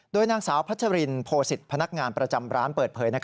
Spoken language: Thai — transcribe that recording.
โดยนางสาวพัชรินโพสิตพนักงานประจำร้านเปิดเผย